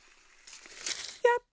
やった！